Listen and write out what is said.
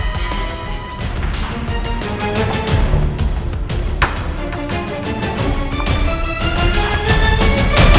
lalu aku mau kemana